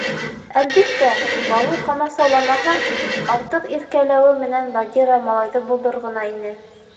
Әлбиттә, Балу ҡамасауламаһа, артыҡ иркәләүе менән Багира малайҙы боҙор ғына ине.